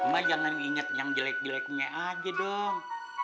mbak jangan inget yang jelek jeleknya aja dong